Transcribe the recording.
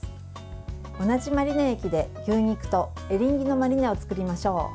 同じマリネ液で牛肉とエリンギのマリネを作りましょう。